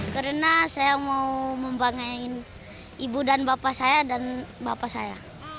karena saya mau membangun ibu dan bapak saya dan bapak saya